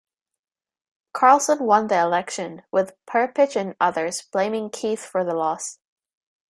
Carlson won the election, with Perpich and others blaming Keith for the loss.